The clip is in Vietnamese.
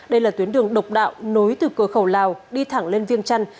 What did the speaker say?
đây là tuyến đường độc đạo nối từ cửa khẩu lào đi thẳng lên viên chăn